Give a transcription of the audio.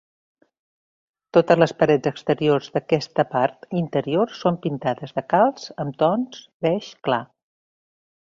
Totes les parets exteriors d'aquesta part interior són pintades de calç amb tons beix clars.